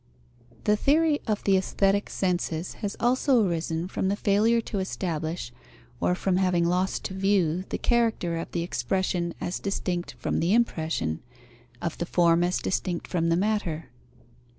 _ The theory of the aesthetic senses has also arisen from the failure to establish, or from having lost to view the character of the expression as distinct from the impression, of the form as distinct from the matter.